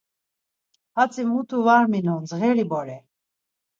Hatzi mutu var minon, dzğeri bore.